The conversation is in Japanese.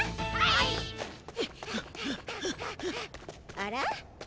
あら？